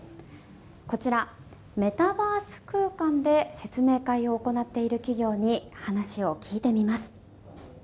こちら、メタバース空間で説明会を行っている企業に話を聞いてみます。